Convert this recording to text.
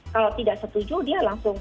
kalau tidak setuju dia langsung